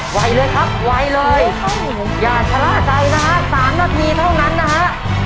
ไหวเลยครับไวเลยอย่าชะล่าใจนะฮะ๓นาทีเท่านั้นนะฮะ